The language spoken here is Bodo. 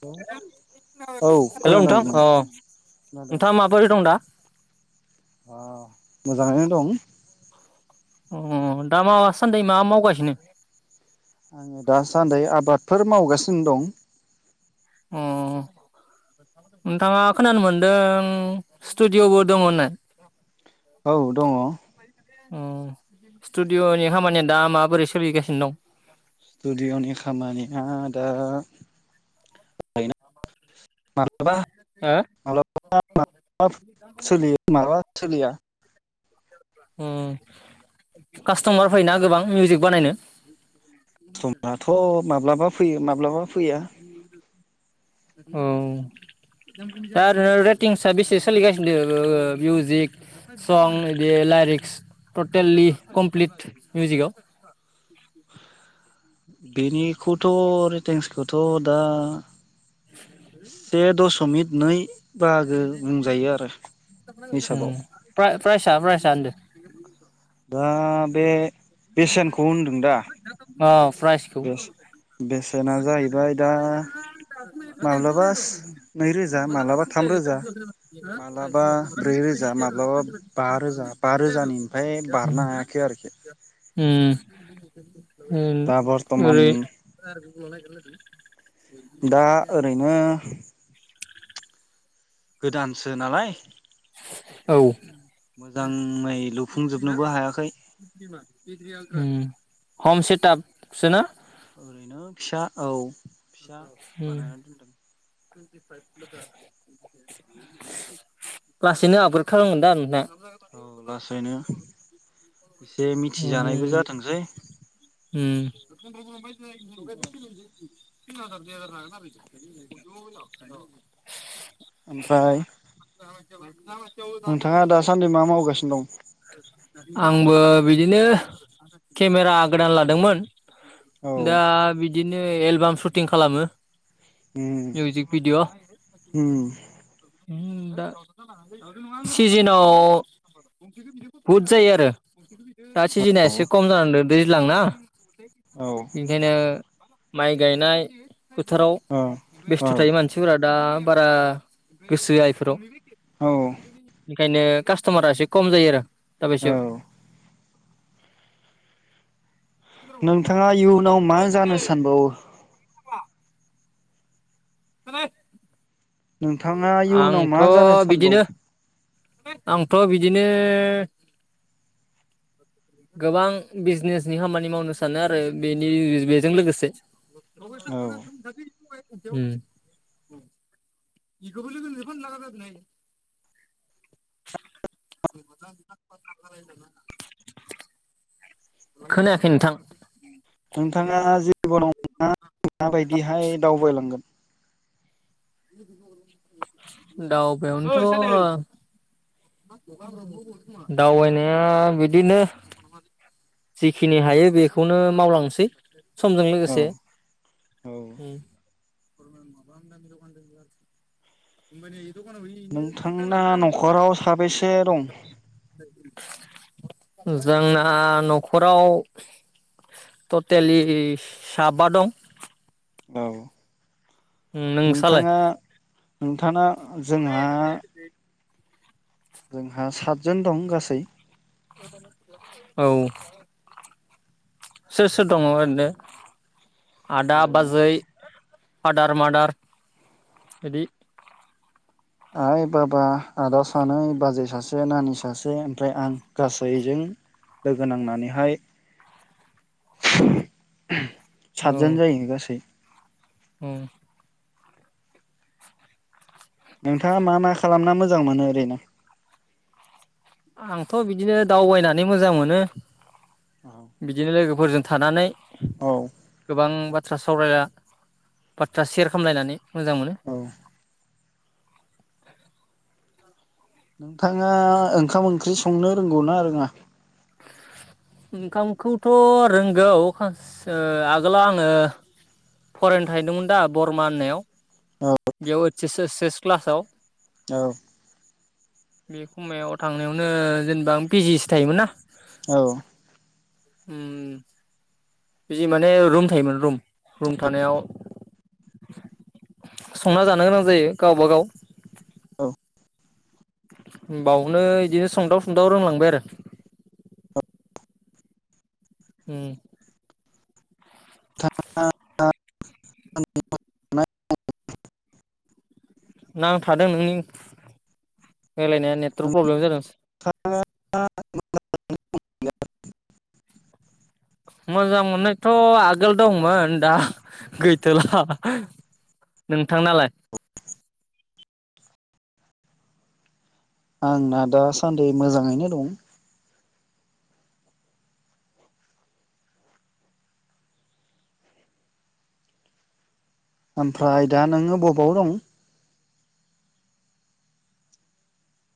औ हेलौ खोनादों नोंथां नों अ खोनादों नोंथाङा माबोरै दं दा? अ मोजाङैनो दं अ दा माबासान्दि मा मावगासिनो? आङो दासान्दै आबादफोर मावगासिनो दं। अ नोंथाङा खोनानो मोनदों स्टुडिअबो दङ नो? औ दङ [unintelligible] अ स्टुडिअनि खामानिया दा माबोरै सोलिगासिनो दं? स्टुडिअनि खामानिया दा [unintelligible] हाबा हो हेलौ। [unintelligible] ओ सोलियो माबा थोलिया अ कास्टमार फैयोना गोबां मिउजिक बानायनो? समाथ माब्लाबा फैयो माब्लाबा फैया [unintelligible] औ दा ओरैनो रेटिंस बेसे सोलिगासिनो ओ मिउजिक सं बिदि लारिक्स टटेलि कमप्लिट मिउजिकआव? बेनिखौथ रेटिंस खौथ दा से दशमिक नै बाहागो बुंजायो आरो ओम हिसाबाव प्राइसा प्राइसा होनदो। दा बे बेसेनखौ होनदों दा अ प्राइसखौ बेस-बेस माब्लाबा नैरोजा माब्लाबा थाम रोजा [unintelligible] माब्लाबा ब्रै रोजा माब्लाबा बा रोजा बा रोजानिफ्राय बारनो हायाखै आरोखि उम। उम दा बर्थमान ओरै [unintelligible] दा ओरैनो गोदानसो नालाय औ उम मोजाङै लुफुंजोबनोबो हायाखै हम सेटआप सोना? ओरैनो फिसा औ। फिसा उम बानायना दोनदों। लासैनो आपग्रेड खालामगोन दा नोंथां? औ लासैनो एसे उम मिथिजानायबो जाथोंसै। उम ओमफ्राय नोंथाङा दासान्दि मा मावगासिनो दं? आंबो बिदिनो केमेरा गोदान लादोंमोन। औ दा बिदिनो एलबाम सुटिं खालामो। उम मिउजिक उम उमदा सिजोनाव बहुद जायो आरो दा सिजेना एसे खम जानानै दं दै ज्लां ना। औ बिनिखायनो माइ गायनाय फोथाराव बेस्थ औ थायो मानसिफोरा दा बारा गोसो होआ इफोराव। औ ओंखायनो कास्टमारा एसे खम जायो आरो औ दाबायसायाव। नोंथाङा इयुनाव मा जानो सानबावो? [unintelligible] नोंथाङा इयुनाव आंथ' मा जानो बिदिनो सानबावो? आंथ' बिदिनो गोबां बिजनेजनि खामानि मावनो सानो आरो बेनि बेजों लोगोसे। औ [unintelligible] उम [inaudible] खोनायाखै नोंथां नोंथाङा जिबनाव [unintelligible] माबायदिहाय दावबायलांगोन? [unintelligible] दावबायनो ओ दावबायनाया बिदिनो जिखिनि हायो बेखौनो मावलांसै समजों औ लोगोसे [inaudible] नोंथांना नखराव साबेसे दं? जोंना नखराव टटेलि साबा दं। औ। उम नोंसालाय नोंथाङा जोंहा जोंहा सादजन दं गासै औ सोर सोर दङ ओरैनो? आदा ओरैनो बाजै। फादार मादार मादार इदि। आइ बाबा आदा सानै बाजै सासे नानि सासे ओमफ्राय आं गासैजों लोगो नांनानैहाय। सादजोन औ जायो गासै। औ। नोंथाङा मा मा खालामना मोजां मोनो ओरैनो? आंथ बिदिनो दावबायनानै मोजां मोनो। बिदिनो लोगो गोफोरजों थानानै। औ गोबां बाथ बाथ्रा सावरायला [unintelligible] बाथ्रा सेयार खालामलायनानै मोजां मोनो। औ नोंथाङा ओंखाम ओंख्रि संनो रोंगौ ना रोङा? ओंखामखौथ रोंगौ आगोलाव आङो फरायनो थाहैदोंमोन दा बरमा होननायाव। औ बेयाव [unintelligible] क्लासाव। औ बे खमायाव थांनायावनो जेनेबा आं बिजिसो थायोमोन ना। औ उम। बि माने रुम थायो रुम रुम थानायाव संना जानो गोनां जायो गावबागाव औ बावनो इदिनो संदाव सुंदाव रोंलांबाय आरो उम [unintelligible] नांथादों नोंनि रायलायनाया नेटवर्क प्रब्लेम जादों। [unintelligible] मोजां मोननायथ आगोल दंमोन दा गैथोला नोंथांनालाय? आंना दासान्दि मोजाङैनो दं। ओमफ्राय दा नोङो बबाव दं?